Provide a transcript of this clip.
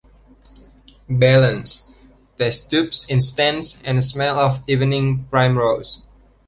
Balance, test-tubes in stands, and a smell of — evening primrose.